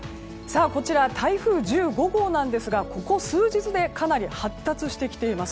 こちら台風１５号なんですがここ数日でかなり発達してきています。